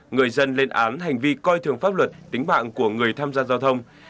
người dân lên án hành vi coi thường pháp luật tính mạng của người tham gia giao thông